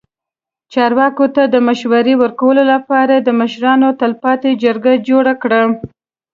چارواکو ته د مشورې ورکولو لپاره یې د مشرانو تلپاتې جرګه جوړه کړه.